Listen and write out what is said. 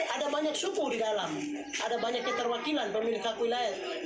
ada banyak suku di dalam ada banyak keterwakilan pemilik hak wilayah